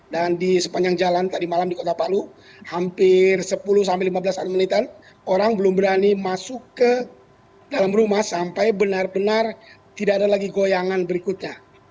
dan di sepanjang jalan tadi malam di kota palu hampir sepuluh sampai lima belas menitan orang belum berani masuk ke dalam rumah sampai benar benar tidak ada lagi goyangan berikutnya